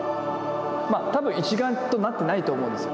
多分一丸となってないと思うんですよ。